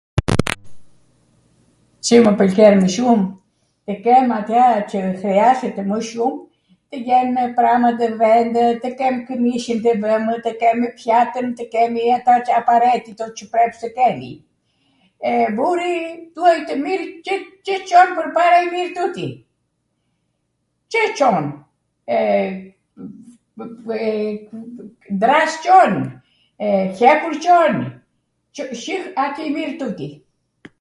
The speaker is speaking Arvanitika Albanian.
Cw mw pwlqen mw shum? Tw kem atw qw hriazete, mw shum, tw jenw pramatw nw vendw, tw kem kwmishwn ..., tw kem njatwr, tw kem aparetiton qw preps tw kemi. Burri duhet tw mir, Cw Con pwrpara i mir, tuti, Cw Con, e, e, dras Con, hekur Con, Cw shih ati i mir tuti,